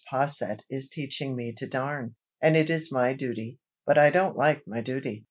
Posset is teaching me to darn, and it is my duty, but I don't like my duty.